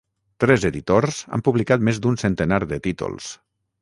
Tres editors han publicat més d'un centenar de títols.